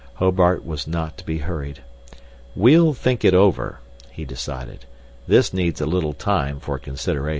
Hobart was not to be hurried. "We'll think it over," he decided. "This needs a little time for consideration."